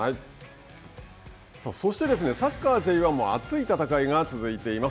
そしてサッカーＪ１は熱い戦いが続いています。